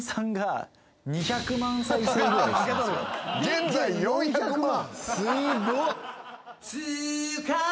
現在４００万！